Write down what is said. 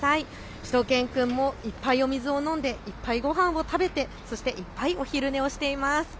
しゅと犬くんもいっぱいお水を飲んでいっぱいごはんを食べて、そしていっぱいお昼寝をしています。